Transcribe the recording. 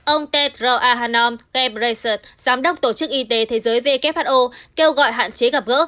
ông tedro ahanom ghebressid giám đốc tổ chức y tế thế giới who kêu gọi hạn chế gặp gỡ